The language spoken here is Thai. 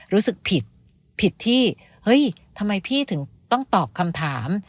รู้สึกผิดผิดที่เฮ้ยทำไมพี่ถึงต้องตอบคำถาม